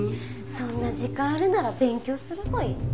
そんな時間あるなら勉強すればいいのに。